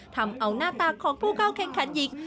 ทำเอาหน้าตาของผู้เข้าแข่งขันหญิง